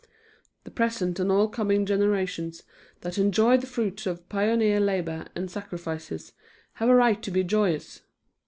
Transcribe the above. The present and all coming generations that enjoy the fruits of pioneer labor and sacrifices have a right to be joyous.